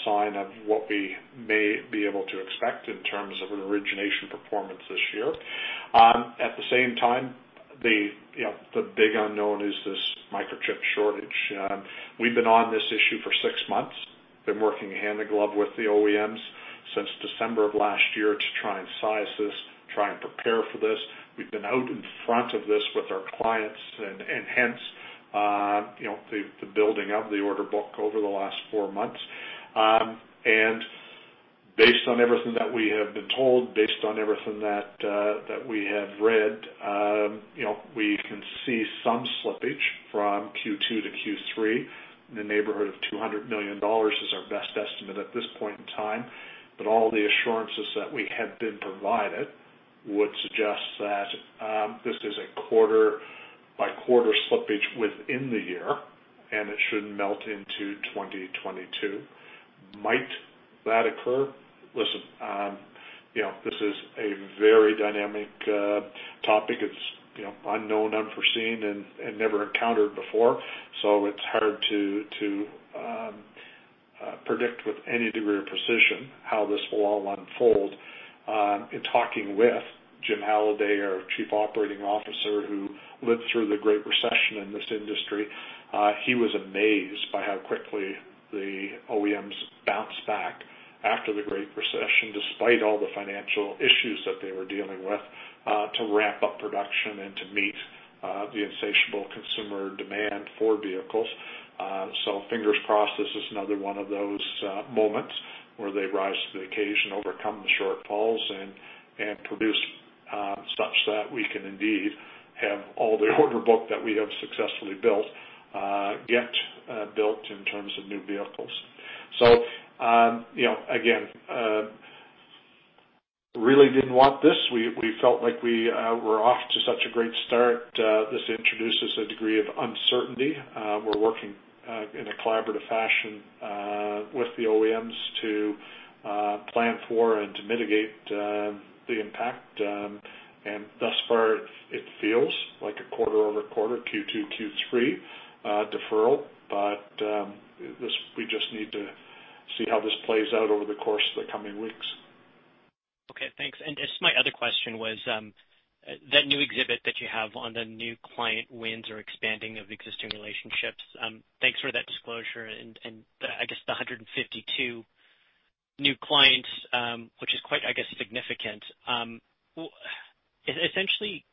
sign of what we may be able to expect in terms of an origination performance this year. At the same time, the big unknown is this microchip shortage. We've been on this issue for six months, been working hand in glove with the OEMs since December of last year to try and size this, try and prepare for this. We've been out in front of this with our clients and hence the building of the order book over the last four months. Based on everything that we have been told, based on everything that we have read, we can see some slippage from Q2 to Q3. In the neighborhood of 200 million dollars is our best estimate at this point in time. All the assurances that we have been provided would suggest that this is a quarter-by-quarter slippage within the year, and it should melt into 2022. Might that occur? Listen, this is a very dynamic topic. It's unknown, unforeseen, and never encountered before. It's hard to predict with any degree of precision how this will all unfold. In talking with Jim Halliday, our Chief Operating Officer, who lived through the Great Recession in this industry, he was amazed by how quickly the OEMs bounced back after the Great Recession despite all the financial issues that they were dealing with, to ramp up production and to meet the insatiable consumer demand for vehicles. Fingers crossed, this is another one of those moments where they rise to the occasion, overcome the shortfalls, and produce such that we can indeed have all the order book that we have successfully built, get built in terms of new vehicles. Again, really didn't want this. We felt like we were off to such a great start. This introduces a degree of uncertainty. We're working in a collaborative fashion with the OEMs to plan for and to mitigate the impact. Thus far, it feels like a quarter-over-quarter, Q2, Q3 deferral. We just need to see how this plays out over the course of the coming weeks. Okay, thanks. I guess my other question was, that new exhibit that you have on the new client wins or expanding of existing relationships, thanks for that disclosure. I guess the 152 new clients, which is quite significant. Essentially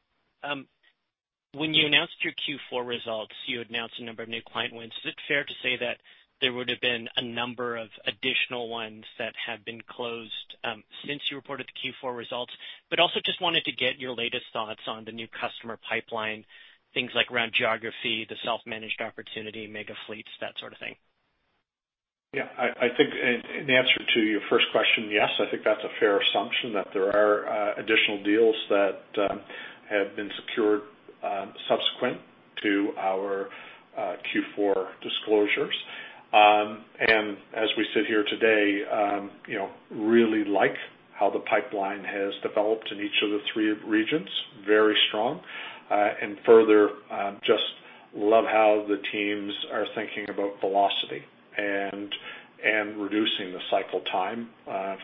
when you announced your Q4 results, you announced a number of new client wins. Is it fair to say that there would've been a number of additional ones that have been closed since you reported the Q4 results? Also just wanted to get your latest thoughts on the new customer pipeline, things like around geography, the self-managed opportunity, mega fleets, that sort of thing. I think in answer to your first question, yes. I think that's a fair assumption, that there are additional deals that have been secured subsequent to our Q4 disclosures. As we sit here today, really like how the pipeline has developed in each of the three regions, very strong. Further, just love how the teams are thinking about velocity and reducing the cycle time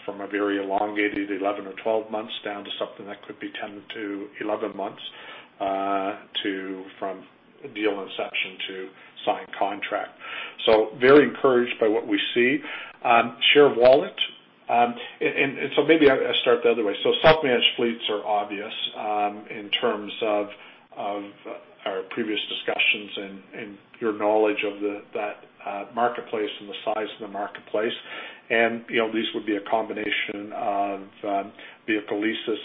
from a very elongated 11 or 12 months down to something that could be 10-11 months from deal inception to signed contract. Very encouraged by what we see. Share of wallet. Maybe I start the other way. Self-managed fleets are obvious, in terms of our previous discussions and your knowledge of that marketplace and the size of the marketplace. These would be a combination of vehicle leases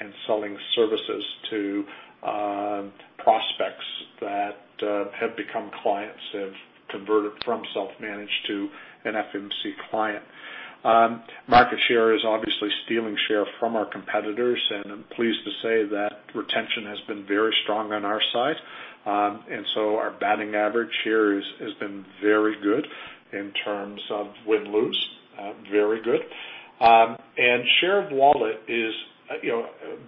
and selling services to prospects that have become clients, have converted from self-managed to an FMC client. Market share is obviously stealing share from our competitors, and I'm pleased to say that retention has been very strong on our side. Our batting average here has been very good in terms of win-lose, very good. Share of wallet is,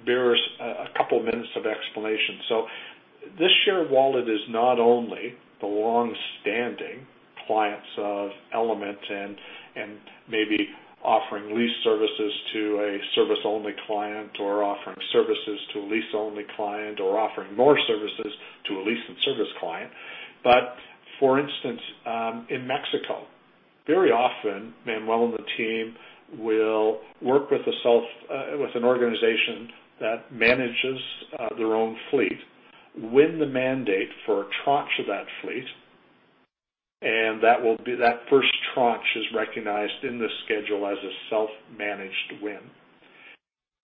bear us a couple of minutes of explanation. This share of wallet is not only the longstanding clients of Element and maybe offering lease services to a service-only client or offering services to a lease-only client, or offering more services to a lease and service client. For instance, in Mexico, very often, Manuel and the team will work with an organization that manages their own fleet, win the mandate for a tranche of that fleet, and that first tranche is recognized in the schedule as a self-managed win.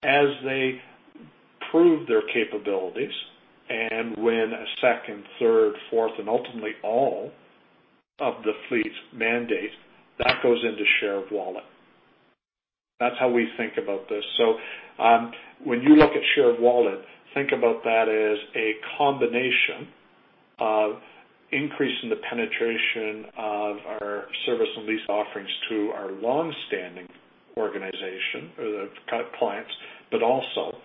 As they prove their capabilities and win a second, third, fourth, and ultimately all of the fleet's mandate, that goes into share of wallet. That's how we think about this. When you look at share of wallet, think about that as a combination of increasing the penetration of our service and lease offerings to our longstanding clients, but also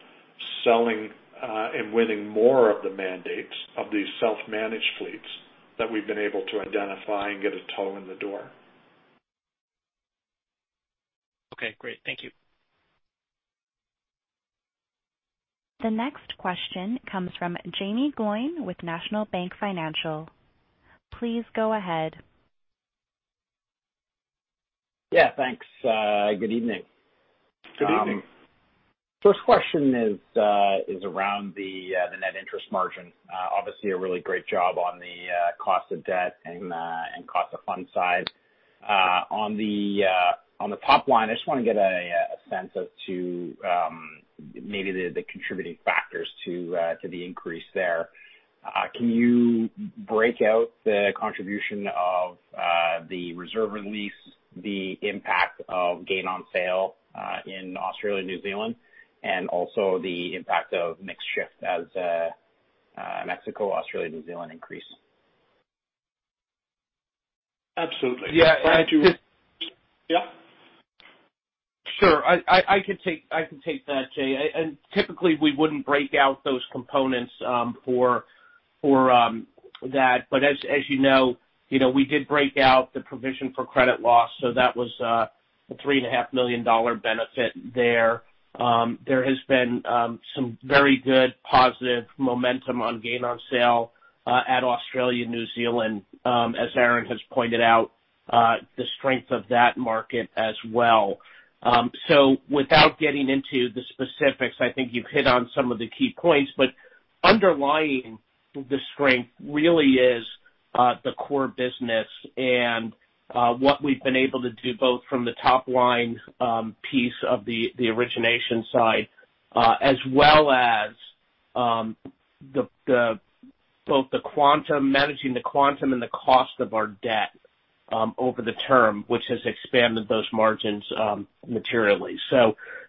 selling and winning more of the mandates of these self-managed fleets that we've been able to identify and get a toe in the door. Okay, great. Thank you. The next question comes from Jaeme Gloyn with National Bank Financial. Please go ahead. Yeah, thanks. Good evening. Good evening. First question is around the net interest margin. Obviously, a really great job on the cost of debt and cost of fund side. On the top line, I just want to get a sense as to maybe the contributing factors to the increase there. Can you break out the contribution of the reserve release, the impact of gain on sale in Australia and New Zealand, and also the impact of mix shift as Mexico, Australia, New Zealand increase? Absolutely. Frank, if you- Sure. I can take that, Jay. Typically, we wouldn't break out those components for that. As you know, we did break out the provision for credit loss, so that was a 3.5 million dollar benefit there. There has been some very good positive momentum on gain on sale at Australia, New Zealand, as Aaron has pointed out. The strength of that market as well. Without getting into the specifics, I think you've hit on some of the key points, but underlying the strength really is the core business and what we've been able to do both from the top line piece of the origination side, as well as both managing the quantum and the cost of our debt over the term, which has expanded those margins materially.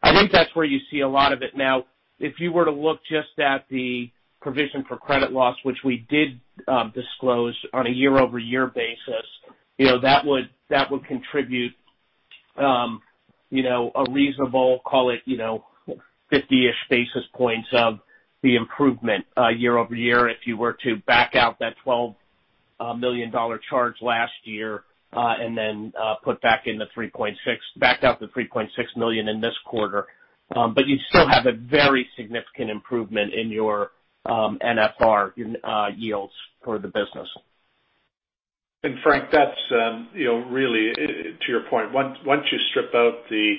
I think that's where you see a lot of it now. If you were to look just at the provision for credit loss, which we did disclose on a year-over-year basis, that would contribute a reasonable, call it 50-ish basis points of the improvement year-over-year if you were to back out that 12 million dollar charge last year, and then back out the 3.6 million in this quarter. You still have a very significant improvement in your NFR yields for the business. Frank, really to your point, once you strip out the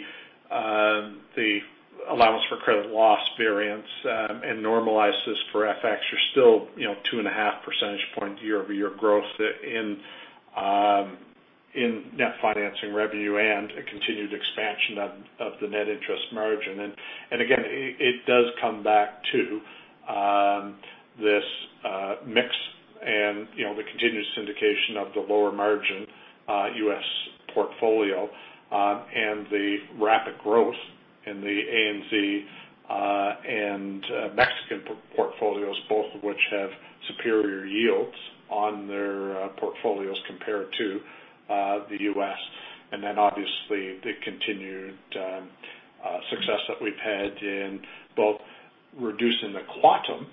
allowance for credit loss variance and normalize this for FX, you're still 2.5 percentage point year-over-year growth in net financing revenue and a continued expansion of the net interest margin. Again, it does come back to this mix and the continued syndication of the lower margin U.S. portfolio, and the rapid growth in the ANZ and Mexican portfolios, both of which have superior yields on their portfolios compared to the U.S. Then obviously the continued success that we've had in both reducing the quantum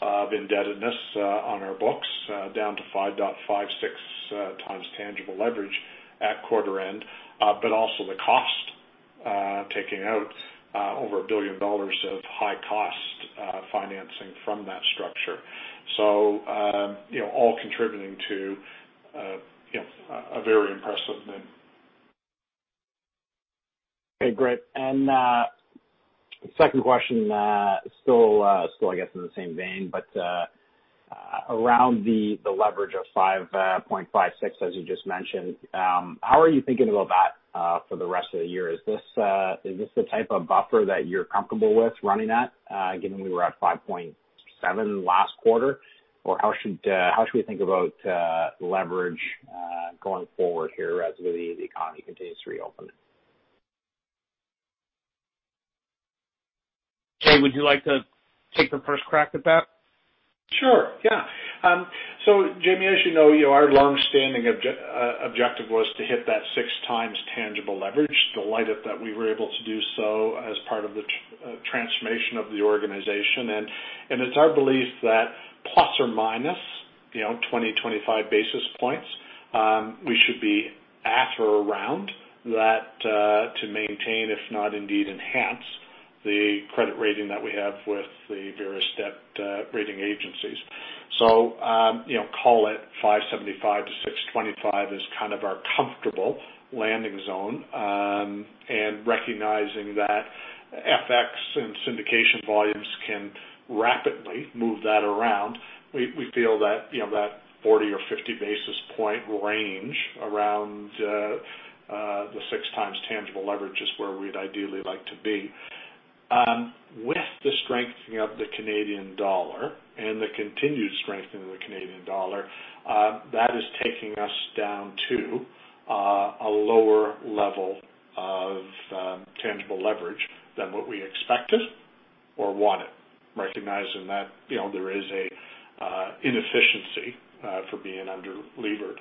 of indebtedness on our books down to 5.56x tangible leverage at quarter end, but also the cost, taking out over 1 billion dollars of high cost financing from that structure. All contributing to a very impressive NIM. Okay, great. Second question, still I guess in the same vein, but around the leverage of 5.56x as you just mentioned. How are you thinking about that for the rest of the year? Is this the type of buffer that you're comfortable with running at, given we were at 5.7x last quarter? Or how should we think about leverage going forward here as the economy continues to reopen? Jay, would you like to take the first crack at that? Sure, yeah. Jaeme, as you know, our longstanding objective was to hit that 6x tangible leverage. Delighted that we were able to do so as part of the transformation of the organization. It's our belief that ±20, 25 basis points we should be at or around that to maintain, if not indeed enhance the credit rating that we have with the various debt rating agencies. Call it 5.75-6.25 is kind of our comfortable landing zone. Recognizing that FX and syndication volumes can rapidly move that around, we feel that 40 or 50 basis point range around the 6x tangible leverage is where we'd ideally like to be. With the strengthening of the Canadian dollar and the continued strengthening of the Canadian dollar, that is taking us down to a lower level of tangible leverage than what we expected or wanted, recognizing that there is an inefficiency for being under-levered.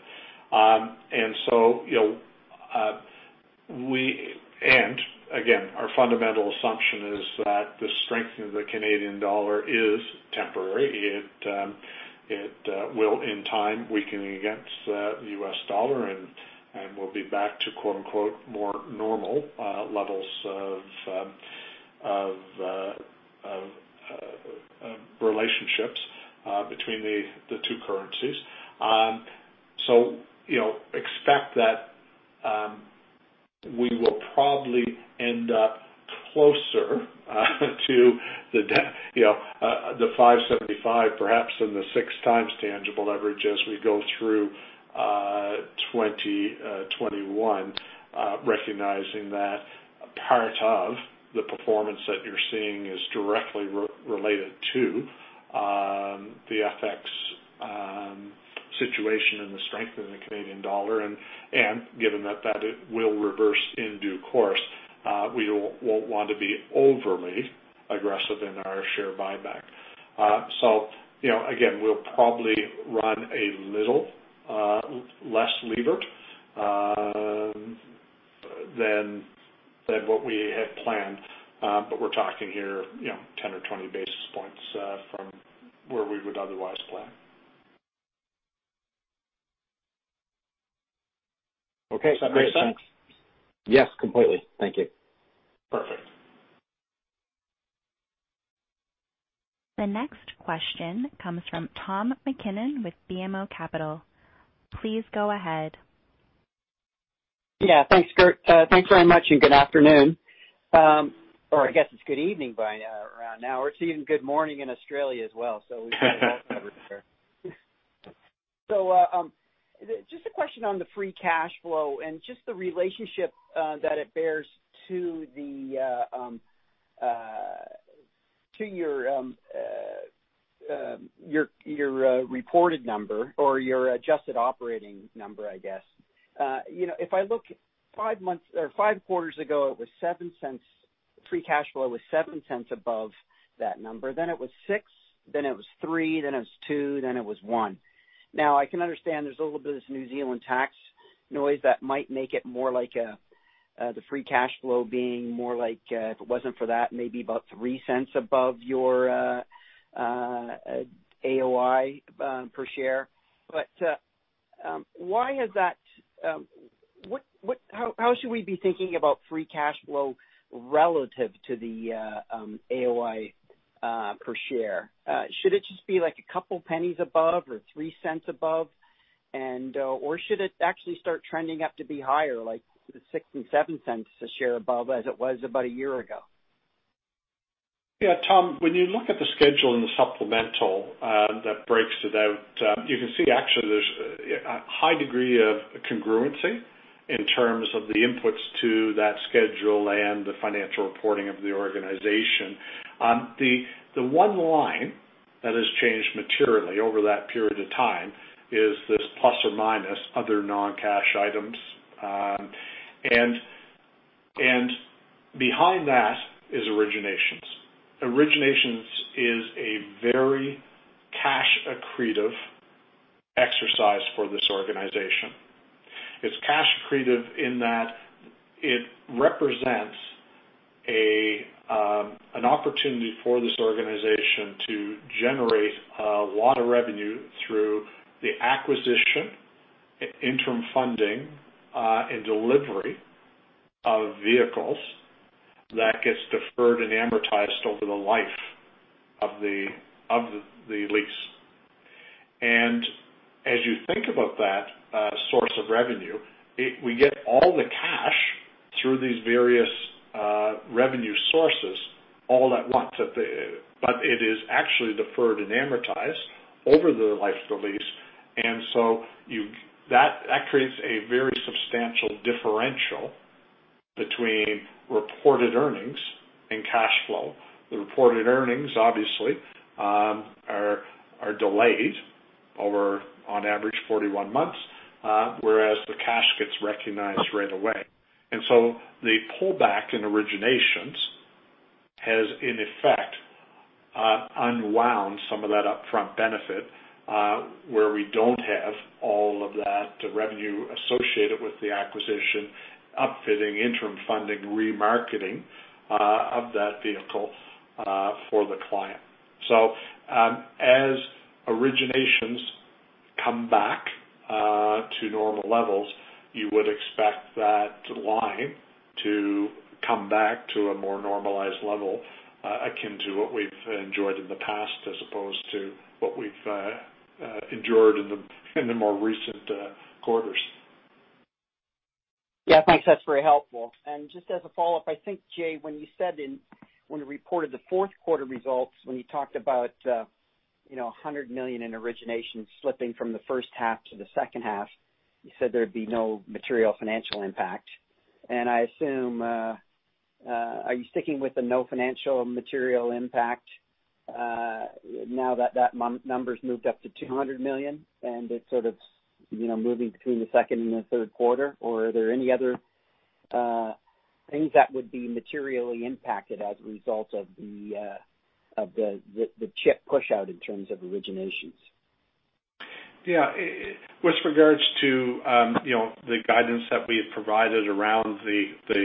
Again, our fundamental assumption is that the strength of the Canadian dollar is temporary. It will in time weaken against the U.S. dollar and we'll be back to "more normal" levels of relationships between the two currencies. Expect that we will probably end up closer to the 5.75 perhaps than the 6x tangible leverage as we go through 2021, recognizing that part of the performance that you're seeing is directly related to the FX situation and the strength of the Canadian dollar. Given that it will reverse in due course, we won't want to be overly aggressive in our share buyback. Again, we'll probably run a little less levered than what we had planned. We're talking here 10 or 20 basis points from where we would otherwise plan. Okay. Does that make sense? Yes, completely. Thank you. Perfect. The next question comes from Tom MacKinnon with BMO Capital. Please go ahead. Thanks, [Kurt]. Thanks very much, and good afternoon. I guess it's good evening by now. Around now, we're seeing good morning in Australia as well. We've got everywhere. Just a question on the free cash flow and just the relationship that it bears to your reported number or your adjusted operating number, I guess. If I look five months or five quarters ago, free cash flow was 0.07 above that number. It was 0.06. It was 0.03. It was 0.02. It was 0.01. Now I can understand there's a little bit of this New Zealand tax noise that might make it more like the free cash flow being more like, if it wasn't for that, maybe about 0.03 above your AOI per share. How should we be thinking about free cash flow relative to the AOI per share? Should it just be like a couple of pennies above or 0.03 above? Should it actually start trending up to be higher, like 0.06 and 0.07 a share above as it was about one year ago? Yeah, Tom, when you look at the schedule in the supplemental that breaks it out, you can see actually there's a high degree of congruency in terms of the inputs to that schedule and the financial reporting of the organization. The one line that has changed materially over that period of time is this plus or minus other non-cash items. Behind that is originations. Originations is a very cash accretive exercise for this organization. It's cash accretive in that it represents an opportunity for this organization to generate a lot of revenue through the acquisition, interim funding, and delivery of vehicles that gets deferred and amortized over the life of the lease. As you think about that source of revenue, we get all the cash through these various revenue sources all at once, but it is actually deferred and amortized over the life of the lease, and so that creates a very substantial differential between reported earnings and cash flow. The reported earnings, obviously, are delayed over, on average, 41 months, whereas the cash gets recognized right away. The pullback in originations has, in effect, unwound some of that upfront benefit, where we don't have all of that revenue associated with the acquisition, upfitting, interim funding, remarketing of that vehicle for the client. As originations come back to normal levels, you would expect that line to come back to a more normalized level, akin to what we've enjoyed in the past, as opposed to what we've endured in the more recent quarters. Yeah, I think that's very helpful. Just as a follow-up, I think, Jay, when you reported the fourth quarter results, when you talked about 100 million in origination slipping from the first half to the second half, you said there'd be no material financial impact. I assume, are you sticking with the no financial material impact now that that number's moved up to 200 million and it's sort of moving between the second and the third quarter? Are there any other things that would be materially impacted as a result of the chip push out in terms of originations? Yeah. With regards to the guidance that we had provided around the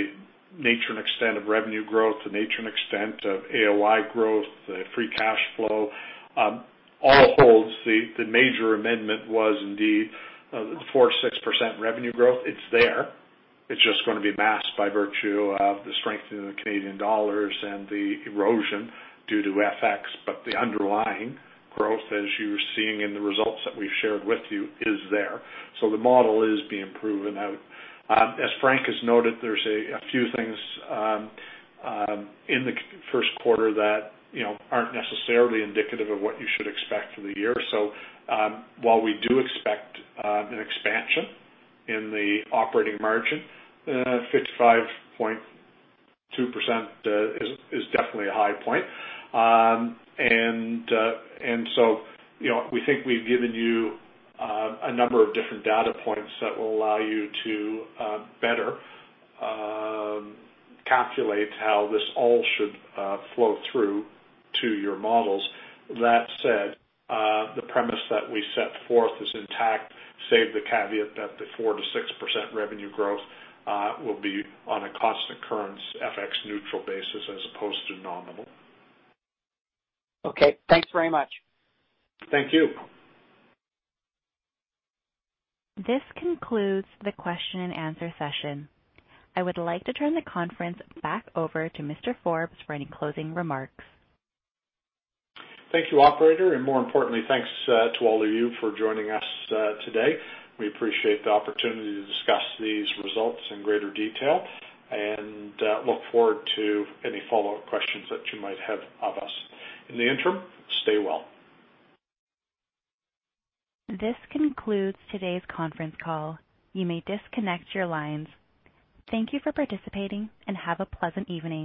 nature and extent of revenue growth, the nature and extent of AOI growth, the free cash flow, all holds. The major amendment was indeed the 4%-6% revenue growth. It's there. It's just going to be masked by virtue of the strength in the Canadian dollars and the erosion due to FX, but the underlying growth, as you're seeing in the results that we've shared with you, is there. The model is being proven out. As Frank has noted, there's a few things in the first quarter that aren't necessarily indicative of what you should expect for the year. While we do expect an expansion in the operating margin, 55.2% is definitely a high point. We think we've given you a number of different data points that will allow you to better calculate how this all should flow through to your models. That said, the premise that we set forth is intact, save the caveat that the 4%-6% revenue growth will be on a constant currency FX-neutral basis as opposed to nominal. Okay, thanks very much. Thank you. This concludes the question-and-answer session. I would like to turn the conference back over to Mr. Forbes for any closing remarks. Thank you, operator. More importantly, thanks to all of you for joining us today. We appreciate the opportunity to discuss these results in greater detail and look forward to any follow-up questions that you might have of us. In the interim, stay well. This concludes today's conference call. You may disconnect your lines. Thank you for participating and have a pleasant evening.